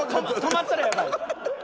止まったらやばい。